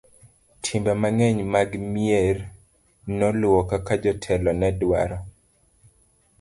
timbe mang'eny mag mier noluwo kaka jotelo nedwaro